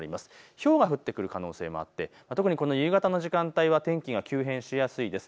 ひょうが降ってくる可能性もあって特にこの夕方の時間帯は天気が急変しやすいです。